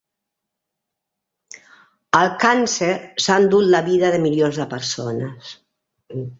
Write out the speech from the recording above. El càncer s'ha endut les vides de milions de persones.